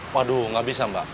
waduh gak bisa mbak